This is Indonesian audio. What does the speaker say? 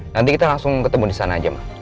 nanti kita langsung ketemu di sana aja